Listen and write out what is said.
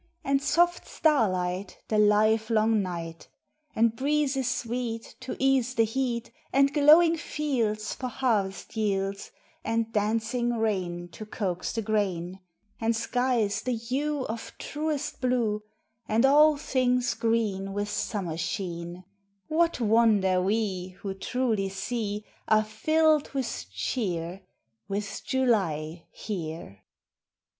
And soft starlight The livelong night! And breezes sweet To ease the heat; And glowing fields For harvest yields; And dancing rain To coax the grain; And skies the hue Of truest blue; And all things green With summer sheen What wonder we Who truly see Are filled with cheer With July here!